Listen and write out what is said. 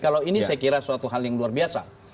kalau ini saya kira suatu hal yang luar biasa